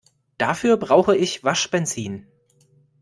Dafür brauche ich Waschbenzin.